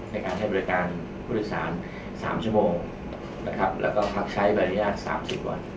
ในการให้บริการผู้โดยสารสามชั่วโมงนะครับแล้วก็พักใช้บริหารสามสิบวัน